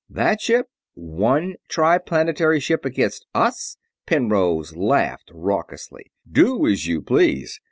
"That ship? One Triplanetary ship against us?" Penrose laughed raucously. "Do as you please.